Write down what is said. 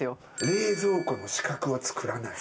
冷蔵庫に死角は作らない。